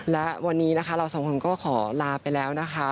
และวันนี้นะคะเราสองคนก็ขอลาไปแล้วนะคะ